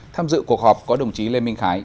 tham dự cuộc họp có đồng chí lê minh khái